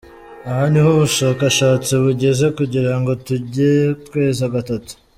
Aho niho ubushakashatsi bugeze kugira ngo tuge tweza gatatu.